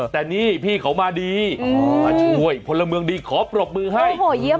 แต่นี่พี่เขามาดีมาช่วยพลเมืองดีขอปรบมือให้